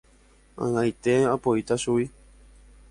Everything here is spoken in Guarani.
Ag̃aite apoíta chugui.